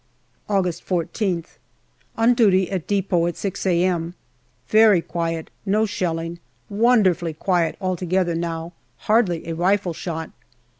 August 14th. On duty at depot at 6 a.m. Very quiet, no shelling. Wonderfully quiet altogether now : hardly a rifleshot.